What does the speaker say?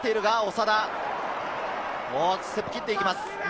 ステップを切っていきます。